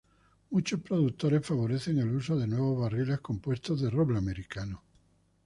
Muchos productores favorecen el uso de nuevos barriles compuestos de roble americano.